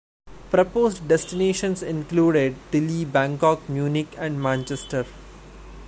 Proposed destinations included Delhi, Bangkok, Munich and Manchester.